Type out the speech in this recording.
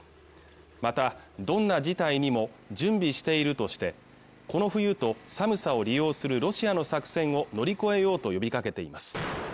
またどんな事態にも準備しているとしてこの冬と寒さを利用するロシアの作戦を乗り越えようと呼びかけています